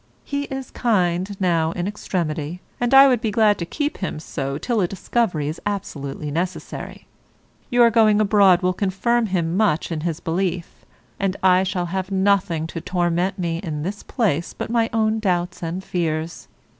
He is kind now in extremity, and I would be glad to keep him so till a discovery is absolutely necessary. Your going abroad will confirm him much in his belief, and I shall have nothing to torment me in this place but my own doubts and fears.